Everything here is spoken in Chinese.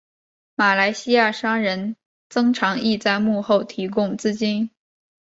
马来西亚商人曾长义在幕后提供资金。